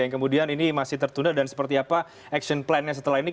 yang kemudian ini masih tertunda dan seperti apa action plannya setelah ini